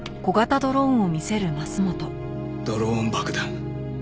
ドローン爆弾。